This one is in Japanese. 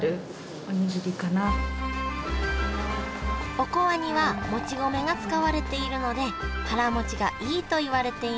おこわにはもち米が使われているので腹もちがいいといわれています